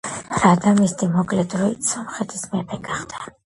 რადამისტი მოკლე დროით სომხეთის მეფე გახდა.